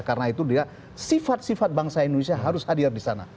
karena itu dia sifat sifat bangsa indonesia harus hadir di sana